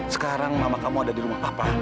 sekarang mama kamu ada di rumah apa